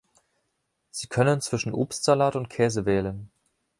Sie können zwischen Obstsalat und Käse wählen